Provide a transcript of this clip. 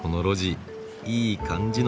いい感じの細さ。